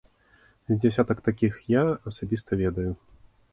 З дзясятак такіх я асабіста ведаю.